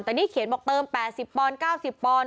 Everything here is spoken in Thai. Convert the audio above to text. แต่นี่เขียนบอกเติม๘๐ปอนด์๙๐ปอนด